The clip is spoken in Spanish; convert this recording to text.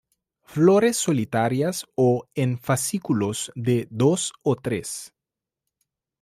Flores solitarias o en fascículos de dos o tres.